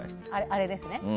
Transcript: あれですね。